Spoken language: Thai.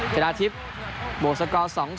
จราทิพย์โบสก๒๐